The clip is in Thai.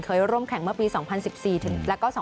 ร่วมแข่งเมื่อปี๒๐๑๔แล้วก็๒๐